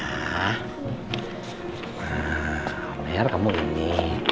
nah meyer kamu ini